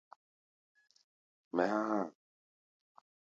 Mɛ há̧ há̧ a̧.